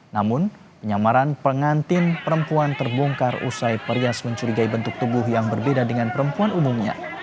namun penyamaran pengantin perempuan terbongkar usai perias mencurigai bentuk tubuh yang berbeda dengan perempuan umumnya